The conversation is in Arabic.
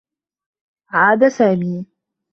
عاد سامي.